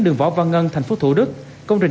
đường võ văn ngân tp thủ đức công trình